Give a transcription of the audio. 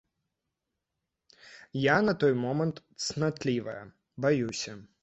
Я на той момант цнатлівая, баюся.